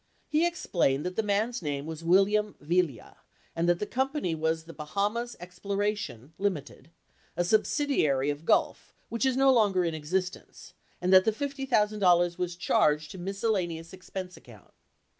65 He explained that the man's name was William Viglia and that the company was the Bahamas Exploration, Ltd., a subsidiary of Gulf which is no longer in existence, and that the. $50,000 was charged to miscellaneous expense account.